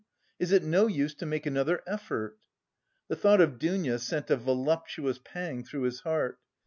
Is it no use to make another effort?" The thought of Dounia sent a voluptuous pang through his heart.